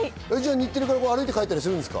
日テレから歩いて帰ったりするんですか？